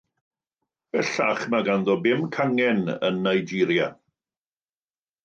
Bellach, mae ganddo bum cangen yn Nigeria.